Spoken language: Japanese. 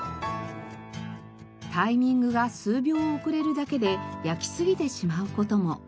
タイミングが数秒遅れるだけで焼きすぎてしまう事も。